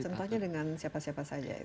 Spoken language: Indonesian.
contohnya dengan siapa siapa saja